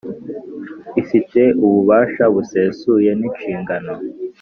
Ifite ububasha busesuye n inshingano